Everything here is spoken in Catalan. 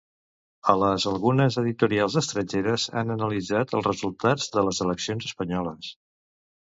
A les algunes editorials estrangeres han analitzat els resultats de les eleccions espanyoles.